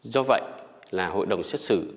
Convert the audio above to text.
do vậy là hội đồng xét xử